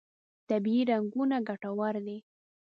طبیعي رنګونه ګټور دي.